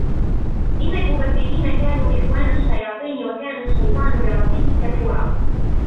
إِنَّ الْمُبَذِّرِينَ كَانُوا إِخْوَانَ الشَّيَاطِينِ وَكَانَ الشَّيْطَانُ لِرَبِّهِ كَفُورًا